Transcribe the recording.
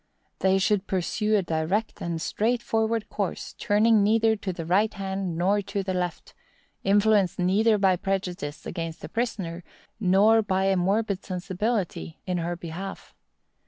They should pursue a direct and straight forward course, turning neither to the right hand nor to the left—influenced neither by prejudice against the prisoner, nor by a morbid sensibility in her behalf.